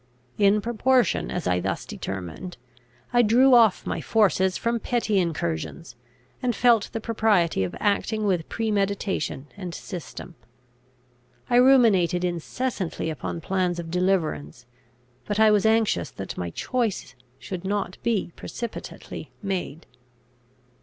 In proportion as I thus determined, I drew off my forces from petty incursions, and felt the propriety of acting with premeditation and system. I ruminated incessantly upon plans of deliverance, but I was anxious that my choice should not be precipitately made.